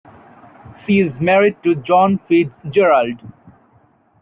She is married to John Fitz-Gerald.